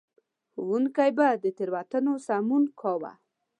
ښوونکي به د تېروتنو سمون کاوه.